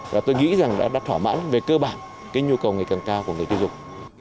và tôi nghĩ rằng đã thỏa mãn về cơ bản cái nhu cầu ngày càng cao của người tiêu dùng